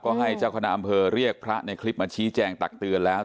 ก็ให้เจ้าคณะอำเภอเรียกพระในคลิปมาชี้แจงตักเตือนแล้ว